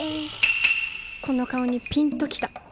この顔にピンと来た。